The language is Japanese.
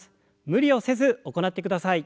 無理をせず行ってください。